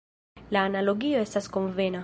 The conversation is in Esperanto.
La analogio estas konvena.